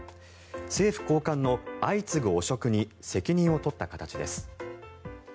政府高官の相次ぐ汚職に責任を取った形です。